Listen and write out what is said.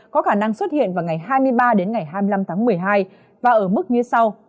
có khả năng xuất hiện vào ngày hai mươi ba đến ngày hai mươi năm tháng một mươi hai và ở mức như sau